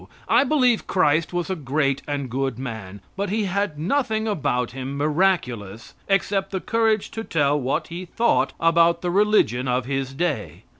I believe Christ was a great and good man, but He had nothing about Him miraculous except the courage to tell what he thought about the religion of His day.